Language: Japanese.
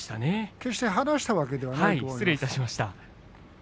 決して離したわけではないと失礼しました。